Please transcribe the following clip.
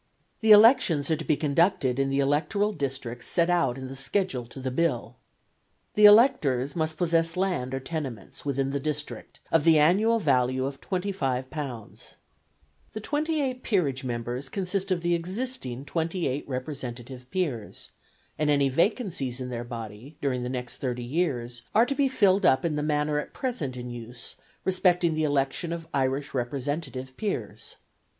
The elections are to be conducted in the electoral districts set out in the schedule to the Bill. The electors must possess land or tenements within the district of the annual value of £25. The twenty eight peerage members consist of the existing twenty eight representative peers, and any vacancies in their body during the next thirty years are to be filled up in the manner at present in use respecting the election of Irish representative peers.